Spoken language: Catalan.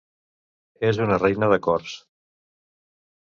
És una reina de cors.